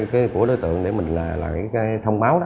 khi mà lấy hình ảnh của đối tượng để mình làm cái thông báo đó